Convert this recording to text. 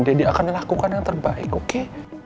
deddy akan lakukan yang terbaik oke